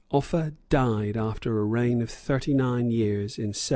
Offa died, after a reign of thirty nine years, in 794.